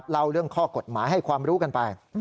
เล่าเรื่องข้อกฎหมายให้ความรู้กันไป